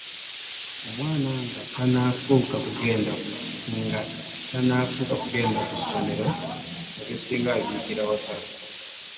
Omwana nga tanafuuka kugenda mu somero ebisinga abiyigira wakka.